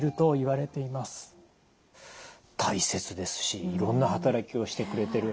大切ですしいろんな働きをしてくれてる。